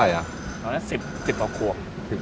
ตอนนั้น๑๐กว่าขวบ